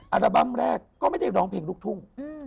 อัลบั้มแรกก็ไม่ได้ร้องเพลงลูกทุ่ง